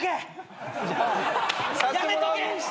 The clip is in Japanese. やめとけ！